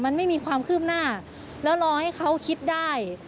มันไม่มีความคืบหน้าแล้วรอให้เขาคิดได้